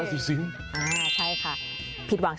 โอเคโอเคโอเคโอเค